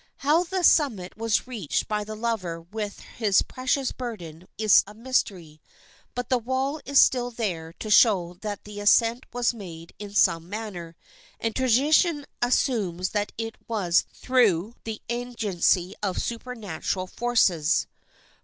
How the summit was reached by the lover with his precious burden is a mystery, but the wall is still there to show that the ascent was made in some manner, and tradition assumes that it was through the agency of supernatural forces.